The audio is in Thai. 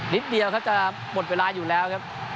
นิดเดียวครับจะหมดเวลาอยู่แล้วครับ